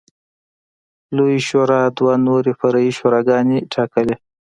لویې شورا دوه نورې فرعي شوراګانې ټاکلې.